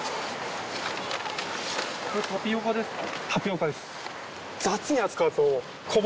それタピオカですか？